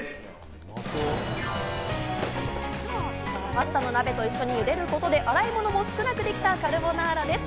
パスタの鍋と一緒にゆでることで、洗い物も少なくできたカルボナーラです。